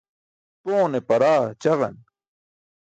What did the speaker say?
Poone paraa ćaġan.